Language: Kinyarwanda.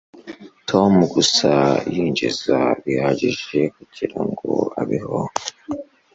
Tom gusa yinjiza bihagije kugirango abeho